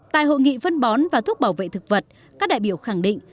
tại hội nghị phân bón và thuốc bảo vệ thực vật các đại biểu khẳng định